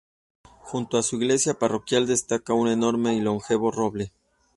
Junto a su iglesia parroquial destaca un enorme y longevo roble.